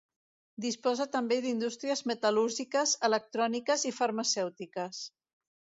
Disposa també d'indústries metal·lúrgiques, electròniques i farmacèutiques.